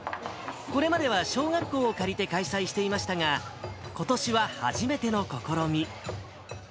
これまでは小学校を借りて開催していましたが、ことしは初めての試み。